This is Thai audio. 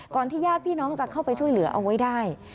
ที่ญาติพี่น้องจะเข้าไปช่วยเหลือเอาไว้ได้